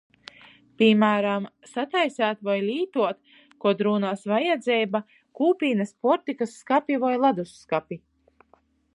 Pīmāram, sataiseit voi lītuot, kod rūnās vajadzeiba kūpīnys puortykys skapi voi ladaskapi.